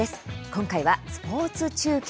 今回はスポーツ中継。